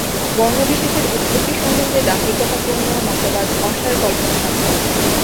বর্ণ-বিশেষের উৎপত্তি সম্বন্ধে দাম্ভিকতাপূর্ণ মতবাদ অসার কল্পনামাত্র।